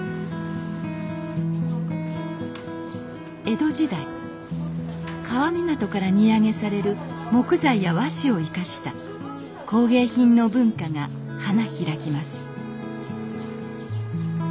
江戸時代川湊から荷揚げされる木材や和紙を生かした工芸品の文化が花開きます